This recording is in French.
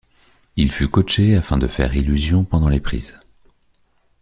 Il fut coaché afin de faire illusion pendant les prises.